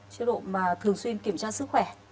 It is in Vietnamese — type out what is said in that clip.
chế độ mà thường xuyên kiểm tra sức khỏe